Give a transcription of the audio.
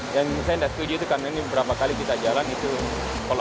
yang saya tidak setuju itu karena ini beberapa kali kita jalan itu kalau ada anaknya pasti dia baca